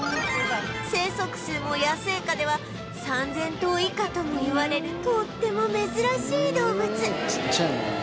生息数も野生下では３０００頭以下ともいわれるとっても珍しい動物